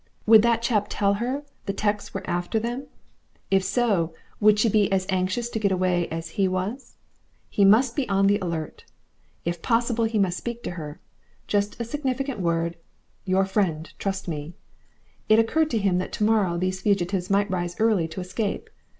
Would that chap tell her the 'tecks were after them? If so, would she be as anxious to get away as HE was? He must be on the alert. If possible he must speak to her. Just a significant word, "Your friend trust me!" It occurred to him that to morrow these fugitives might rise early to escape.